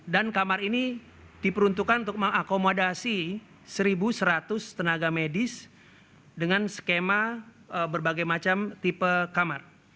dan kamar ini diperuntukkan untuk mengakomodasi satu seratus tenaga medis dengan skema berbagai macam tipe kamar